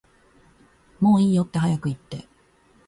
もういいよって早く言って